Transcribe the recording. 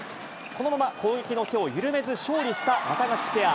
このまま攻撃の手を緩めず、勝利したワタガシペア。